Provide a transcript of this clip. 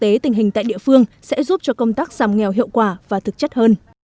thế tình hình tại địa phương sẽ giúp cho công tác giảm nghèo hiệu quả và thực chất hơn